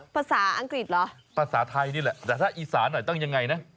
ภาษาอังกฤษเหรอภาษาไทยนี่แหละแต่ถ้าอีสานหน่อยต้องยังไงนะ